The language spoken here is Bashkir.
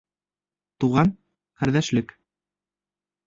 Туған-ҡәрҙәшлек